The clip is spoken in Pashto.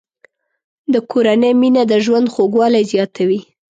د کورنۍ مینه د ژوند خوږوالی زیاتوي.